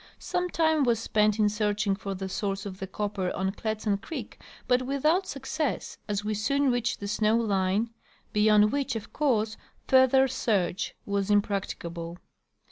Some time was spent in searching for the source of the copper on Kletsan creek but without success as we soon reached the snow line, beyond which, of course, further search was impracticable.